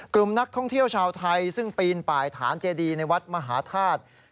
กลุ่มนักท่องเที่ยวชาวไทยซึ่งปีนป่ายฐานเจดีในวัดมหาธาตุ